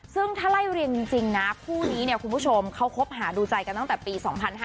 ซึ่งถ้าไล่เรียงจริงนะคู่นี้เนี่ยคุณผู้ชมเขาคบหาดูใจกันตั้งแต่ปี๒๕๕๙